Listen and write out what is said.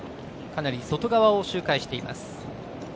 かなり外側を周回しています。